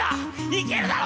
いけるだろ？